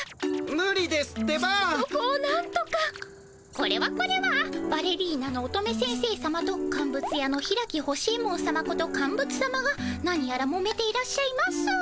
これはこれはバレリーナの乙女先生さまと乾物屋の開干ゑ門さまことカンブツさまがなにやらもめていらっしゃいます。